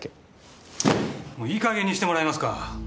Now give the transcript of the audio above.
もういい加減にしてもらえますか！